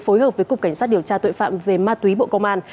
phối hợp với cục cảnh sát điều tra tội phạm về ma túy bộ công an